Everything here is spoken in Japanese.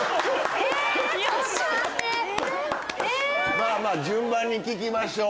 まぁまぁ順番に聞きましょう。